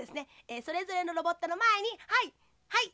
それぞれのロボットのまえにはいはい。